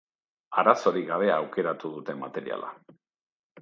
Arazorik gabe aukeratu dute materiala.